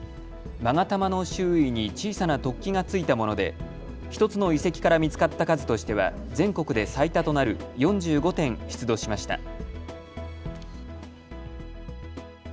まが玉の周囲に小さな突起が付いたもので１つの遺跡から見つかった数としては全国で最多となる４５点出土しました。